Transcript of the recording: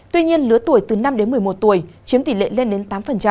tuy nhiên lứa tuổi từ năm đến một mươi một tuổi chiếm tỷ lệ lên đến tám